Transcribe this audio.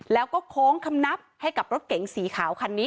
แล้วก็โค้งคำนับให้กับรถเก๋งสีขาวคันนี้